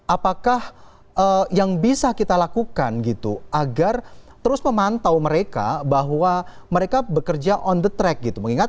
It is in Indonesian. apakah yang bisa kita lakukan gitu agar terus memantau mereka bahwa mereka bekerja on the track gitu